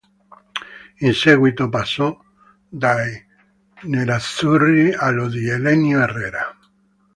In seguito passò dai nerazzurri alla di Helenio Herrera.